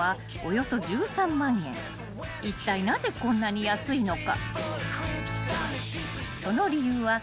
［いったいなぜこんなに安いのか］